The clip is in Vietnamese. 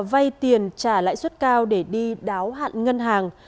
vay tiền trả lãi suất cao để đi đáo hạn ngân hàng